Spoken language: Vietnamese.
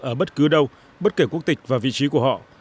ở bất cứ đâu bất kể quốc tịch và vị trí của họ